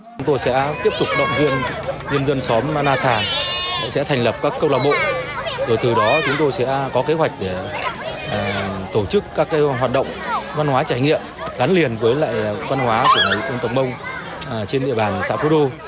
chúng tôi sẽ tiếp tục động viên nhân dân xóm ma nà sản sẽ thành lập các câu lạc bộ rồi từ đó chúng tôi sẽ có kế hoạch để tổ chức các hoạt động văn hóa trải nghiệm gắn liền với lại văn hóa của người dân tộc mông trên địa bàn xã phú đô